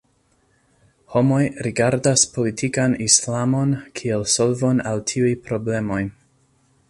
Homoj rigardas politikan Islamon kiel solvon al tiuj problemoj.